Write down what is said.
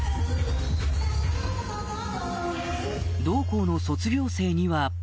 同校の卒業生には